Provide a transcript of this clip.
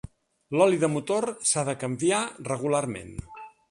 L'oli de motor s'ha de canviar regularment.